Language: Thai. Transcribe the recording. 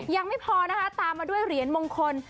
ยังไม่พอนะคะตามมาด้วยเหรียญมงคล